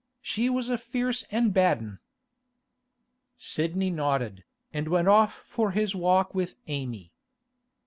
She was a fierce an' bad 'un.' Sidney nodded, and went off for his walk with Amy.